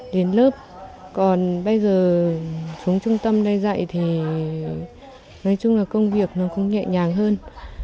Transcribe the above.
đến lớp còn bây giờ xuống trung tâm đây dạy thì nói chung là công việc nó cũng nhẹ nhàng hơn